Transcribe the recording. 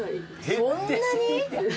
そんなに？